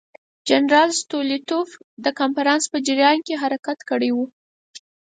جنرال ستولیتوف د کنفرانس په جریان کې حرکت کړی وو.